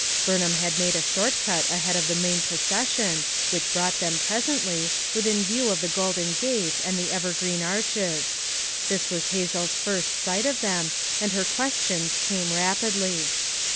Burnham had made a short cut ahead of the main procession, which brought them, presently, within view of the golden gate and the evergreen arches ; this was Hazel's first sight of them, and her questions came rapidly.